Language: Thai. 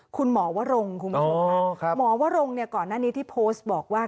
คุณหมอวะรงคุณครูหมอวะรงก่อนหน้านี้ที่โพสบอกว่า